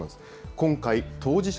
今回、当事者